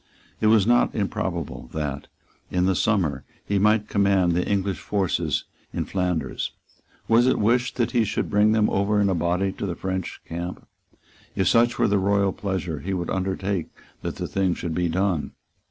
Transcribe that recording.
It was not improbable that, in the summer, he might command the English forces in Flanders. Was it wished that he should bring them over in a body to the French camp? If such were the royal pleasure, he would undertake that the thing should be done.